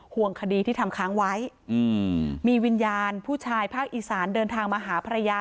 ห่วงคดีที่ทำค้างไว้มีวิญญาณผู้ชายภาคอีสานเดินทางมาหาภรรยา